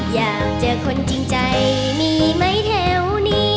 อยากเจอคนจริงใจมีไหมแถวนี้